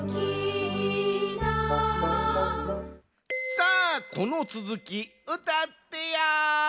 さあこのつづき歌ってや。